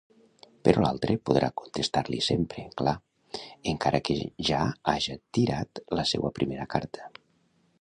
Però l'altre podrà contestar-li sempre, clar, encara que ja haja tirat la seua primera carta.